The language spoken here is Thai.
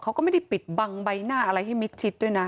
เขาก็ไม่ได้ปิดบังใบหน้าอะไรให้มิดชิดด้วยนะ